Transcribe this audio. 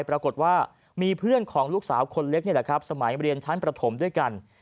ปรากฏว่ามีเพื่อนของลูกสาวคนเล็กนี่แหละครับสมัยเรียนชั้นประถมด้วยกัน